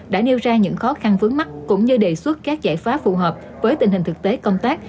đã nêu ra những khó khăn vướng mắt cũng như đề xuất các giải pháp phù hợp với tình hình thực tế công tác